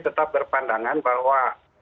tetap berpandangan bahwa